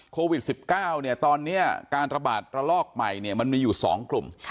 โควิด๑๙ตอนนี้การระบาดระลอกใหม่มันมีอยู่๒กลุ่ม